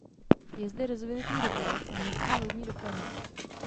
Je zde rozvinutý rybolov a místní lodní doprava.